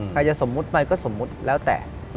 ใครจะสมมุติไปก็สมมุติแล้วแต่